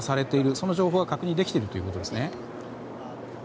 その情報は確認できているということですね？